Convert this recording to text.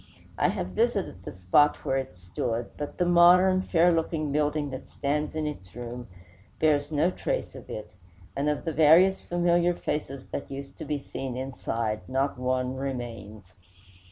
I have visited the spot where it stood, but the modern, fair looking building that stands in its room bears no trace of it; and of the various familiar faces that used to be seen inside not one remains.